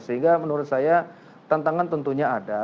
sehingga menurut saya tantangan tentunya ada